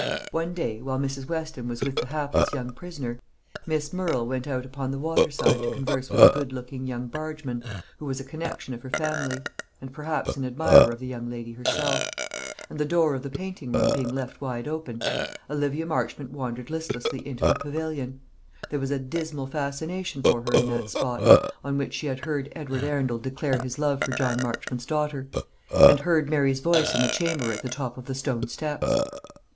One day, while Mrs. Weston was with the hapless young prisoner, Miss Murrel went out upon the water side to converse with a good looking young bargeman, who was a connexion of her family, and perhaps an admirer of the young lady herself; and the door of the painting room being left wide open, Olivia Marchmont wandered listlessly into the pavilion there was a dismal fascination for her in that spot, on which she had heard Edward Arundel declare his love for John Marchmont's daughter and heard Mary's voice in the chamber at the top of the stone steps.